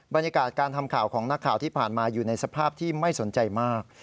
บรรยากาศการทำข่าวของนักข่าวที่ผ่านมาอยู่ในสภาพที่ไม่สนใจมาก